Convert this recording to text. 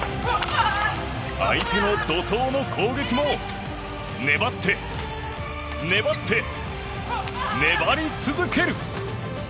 相手の怒涛の攻撃も粘って、粘って、粘り続ける。